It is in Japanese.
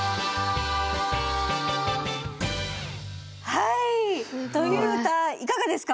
はいという歌いかがですか？